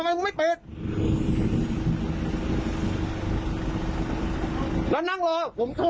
โอ้ยน้องอีกค่ะบวชน้ำลายอีกอ่ะ